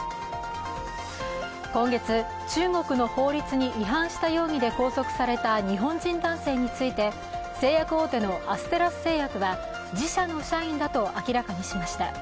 今月、中国の法律に違反した容疑で拘束された日本人男性について製薬大手のアステラス製薬は自社の社員だと明らかにしました。